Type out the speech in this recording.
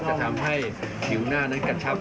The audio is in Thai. จะทำให้ผิวหน้านั้นกระชับ